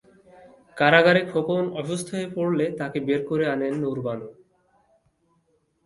কারাগারে খোকন অসুস্থ হয়ে পড়লে তাঁকে বের করে আনেন নূর বানু।